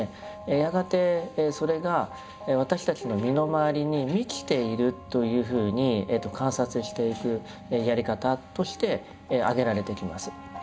やがてそれが私たちの身の回りに満ちているというふうに観察していくやり方として挙げられていきます。